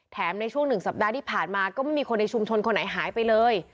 ในช่วงหนึ่งสัปดาห์ที่ผ่านมาก็ไม่มีคนในชุมชนคนไหนหายไปเลย